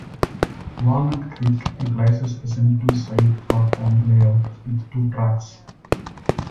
Walnut Creek utilizes a simple side platform layout with two tracks.